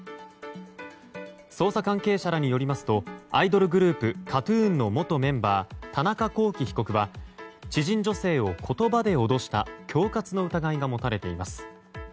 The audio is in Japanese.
捜査関係者らによりますとアイドルグループＫＡＴ‐ＴＵＮの元メンバー田中聖被告は知人女性を言葉で脅した恐喝の疑いが持たれています。